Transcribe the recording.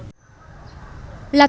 là tuyến đường cuối